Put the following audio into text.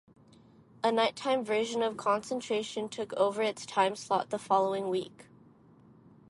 A nighttime version of "Concentration" took over its time slot the following week.